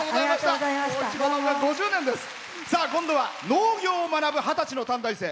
今度は農業を学ぶ二十歳の短大生。